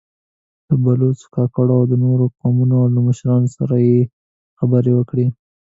له بلوڅو، کاکړو او د نورو قومونو له مشرانو سره يې خبرې وکړې.